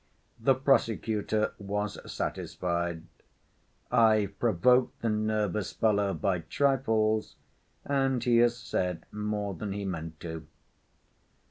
The prosecutor was satisfied: "I've provoked the nervous fellow by 'trifles' and he has said more than he meant to."